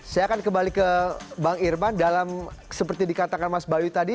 saya akan kembali ke bang irman dalam seperti dikatakan mas bayu tadi